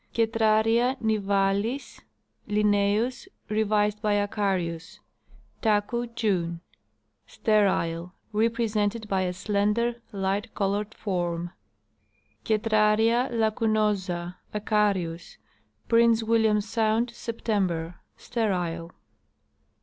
Cetraria nivalis, (L.) Ach. Taku, June. ^Sterile ; represented by a slender, light colored form. Cetraria lacunosa, Ach. Prince William sound, September. Sterile.